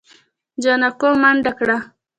جانکو منډه کړه.